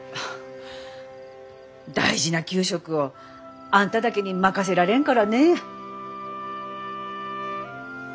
大事な給食をあんただけに任せられんからねぇ。